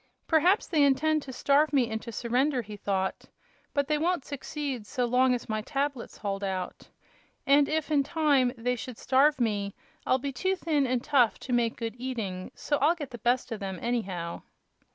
"Perhaps they intend to starve me into surrender," he thought; "but they won't succeed so long as my tablets hold out. And if, in time, they should starve me, I'll be too thin and tough to make good eating; so I'll get the best of them, anyhow."